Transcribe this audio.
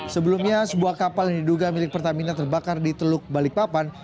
sebelumnya sebuah kapal yang diduga milik pertamina terbakar di teluk balikpapan